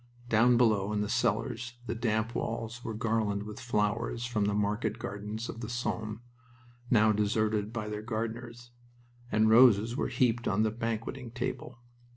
Down below, in the cellars, the damp walls were garlanded with flowers from the market gardens of the Somme, now deserted by their gardeners, and roses were heaped on the banqueting table.